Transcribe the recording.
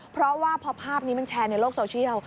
เพราะว่าพอภาพนี้มันแชร์ในโลกโซเชียล